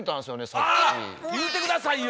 言うて下さいよ！